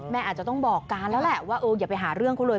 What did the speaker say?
อาจจะต้องบอกการแล้วแหละว่าเอออย่าไปหาเรื่องเขาเลย